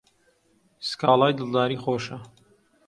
سکاڵای دڵداری خۆشە